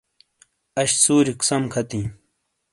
اش سُوریک سم کھاتِیں۔